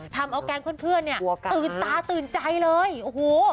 ทำเอาแก๊งเพื่อนเนี่ยตื่นตาตื่นใจเลยโอ้โห